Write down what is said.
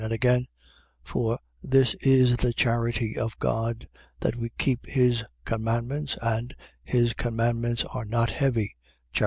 And again: For this is the charity of God, that we keep his commandments, and: His commandments are not heavy (chap.